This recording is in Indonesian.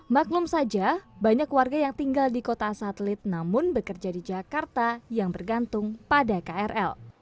maklum saja banyak warga yang tinggal di kota satelit namun bekerja di jakarta yang bergantung pada krl